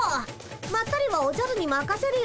まったりはおじゃるにまかせるよ。